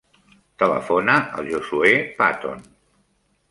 Telefona al Josuè Paton.